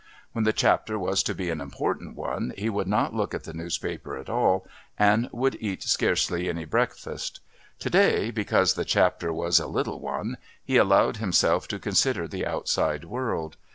When the Chapter was to be an important one he would not look at the newspaper at all and would eat scarcely any breakfast. To day, because the Chapter was a little one, he allowed himself to consider the outside world.